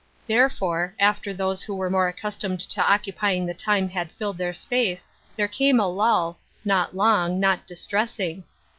Therefore, after those who were more accustomed to occup3dng the time had filled their space there came a lull, not long, not dis tressing.